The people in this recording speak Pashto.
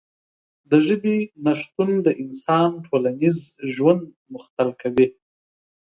د ژبې نشتون د انسان ټولنیز ژوند مختل کوي.